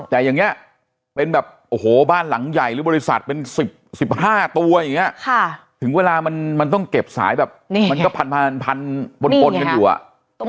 แต่อย่างนี้เป็นแบบโอ้โหบ้านหลังใหญ่หรือบริษัทเป็น๑๕ตัวอย่างนี้ถึงเวลามันต้องเก็บสายแบบมันก็พันปนกันอยู่อ่ะ